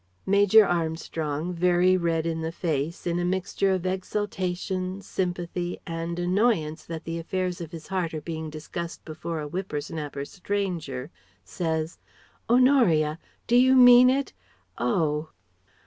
Major Armstrong, very red in the face, in a mixture of exultation, sympathy and annoyance that the affairs of his heart are being discussed before a whipper snapper stranger says: "Honoria! Do you mean it? Oh..."